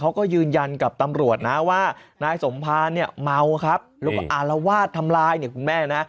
เขาก็ยืนยันกับตำรวจนะว่านายสมภารเนี่ยเมาครับแล้วก็อารวาสทำลายเนี่ยคุณแม่นะ